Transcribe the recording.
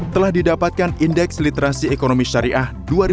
telah didapatkan indeks literasi ekonomi syariah dua ribu dua puluh